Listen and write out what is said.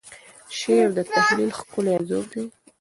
شعر د تخیل ښکلی انځور دی.